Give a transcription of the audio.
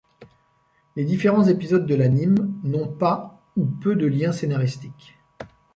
Les différents épisodes de l'anime n'ont pas ou peu de lien scénaristique.